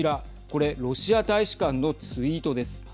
これロシア大使館のツイートです。